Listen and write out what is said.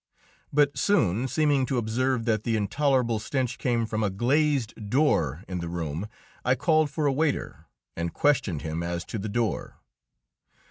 But soon, seeming to observe that the intolerable stench came from a glazed door in the room, I called for a waiter, and questioned him as to the door.